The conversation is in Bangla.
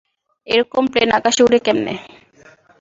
এরকম প্লেন আকাশে উড়ে কেমনে?